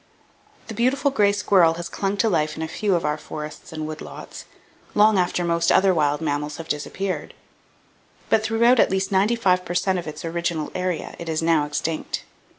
The beautiful gray squirrel has clung to life in a few of our forests and wood lots, long after most other wild mammals have disappeared; but throughout at least ninety five per cent, of its original area, it is now extinct.